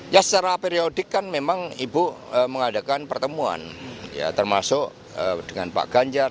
ya secara periodik kan memang ibu mengadakan pertemuan ya termasuk dengan pak ganjar